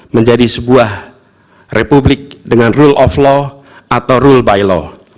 menjadi sebuah republik dengan rule of law atau rule by law